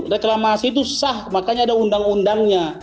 reklamasi itu sah makanya ada undang undangnya